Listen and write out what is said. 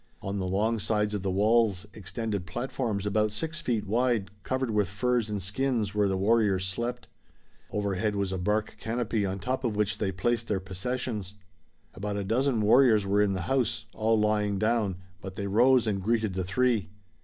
On the long sides of the walls extended platforms about six feet wide, covered with furs and skins where the warriors slept. Overhead was a bark canopy on top of which they placed their possessions. About a dozen warriors were in the house, all lying down, but they rose and greeted the three.